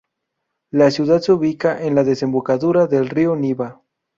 La ciudad se ubica en la desembocadura del río Niva.